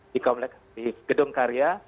di gedung karya